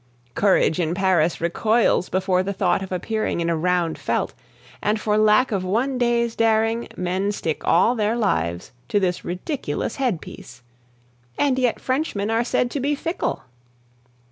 Courage in Paris recoils before the thought of appearing in a round felt; and for lack of one day's daring, men stick all their lives to this ridiculous headpiece. And yet Frenchmen are said to be fickle!